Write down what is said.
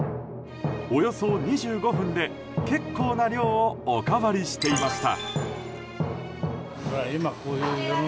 およそ２５分で結構な量をおかわりしていました。